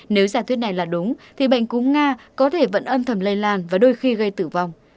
nếu giả thuyết này là đúng thì bệnh cúm nga có thể vẫn âm thầm lây lan và đôi khi gây tử vong